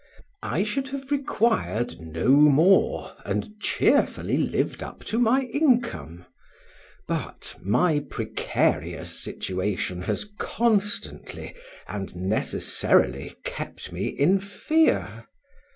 I should have required no more, and cheerfully lived up to my income; but my precarious situation has constantly and necessarily kept me in fear.